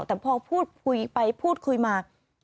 แต่พอพูดคุยไปพูดคุยมา